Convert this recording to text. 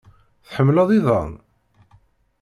Tḥemmleḍ iḍan?